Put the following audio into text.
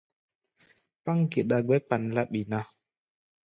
Páŋ geɗa gbɛ́ kpaŋ-láɓi ná.